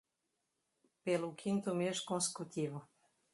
Pelo quinto mês consecutivo